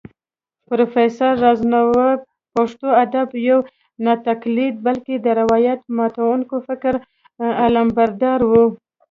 پروفېسر راز نوې پښتو ادب يو ناتقليدي بلکې د روايت ماتونکي فکر علمبردار و